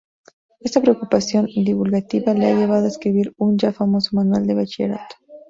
Esta preocupación divulgativa le ha llevado a escribir un ya famoso manual de bachillerato.